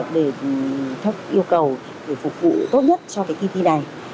để theo yêu cầu để phục vụ tốt nhất cho cái kỳ thi này